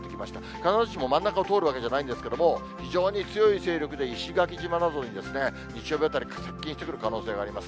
必ずしも真ん中を通るわけではないんですけれども、非常に強い勢力で石垣島などに、日曜日あたり、接近してくる可能性があります。